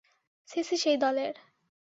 CC সেই দলের।